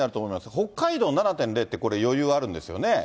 北海道７．０ってこれ、余裕あるんですよね。